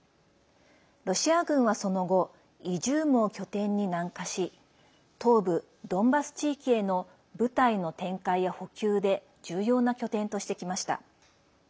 ロシア軍は、その後イジュームを拠点に南下し東部ドンバス地域への部隊の展開や補給で重要な拠点としてきました。